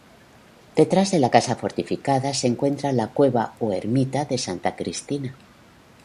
Detrás de la casa fortificada se encuentra la cueva o ermita de Santa Cristina.